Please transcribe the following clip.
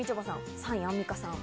３位、アンミカさん。